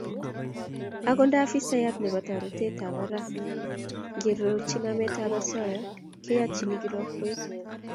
Agot nda afisayat nebo torornatetab barak ngenyorchi nametab osoya keyotyi kirwoket